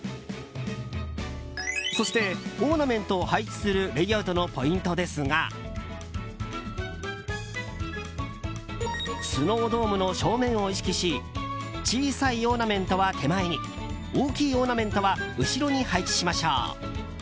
そして、オーナメントを配置するレイアウトのポイントですがスノードームの正面を意識し小さいオーナメントは手前に大きいオーナメントは後ろに配置しましょう。